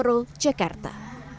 hai torol cekarta